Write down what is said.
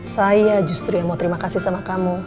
saya justru yang mau terima kasih sama kamu